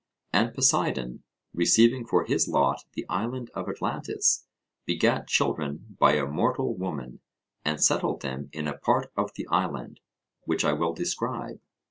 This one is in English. And Poseidon, receiving for his lot the island of Atlantis, begat children by a mortal woman, and settled them in a part of the island, which I will describe.